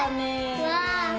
うわ。